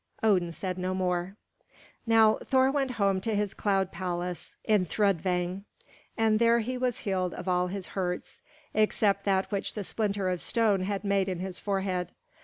Odin said no more. Now Thor went home to his cloud palace in Thrudvang. And there he was healed of all his hurts except that which the splinter of stone had made in his forehead.